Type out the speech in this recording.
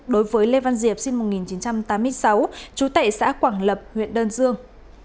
đối với lê văn diệp sinh năm một nghìn chín trăm tám mươi sáu trú tại xã quảng lập huyện đơn dương